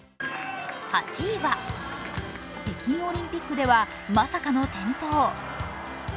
８位は北京オリンピックではまさかの転倒。